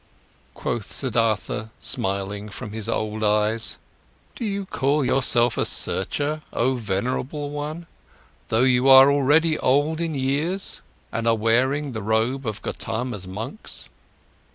Quoth Siddhartha, smiling from his old eyes: "Do you call yourself a searcher, oh venerable one, though you are already well on in years and are wearing the robe of Gotama's monks?"